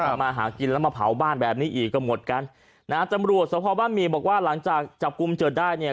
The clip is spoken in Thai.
มาหากินแล้วมาเผาบ้านแบบนี้อีกก็หมดกันนะฮะตำรวจสภบ้านหมี่บอกว่าหลังจากจับกลุ่มเจิดได้เนี่ย